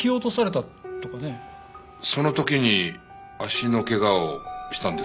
その時に足のけがをしたんですか？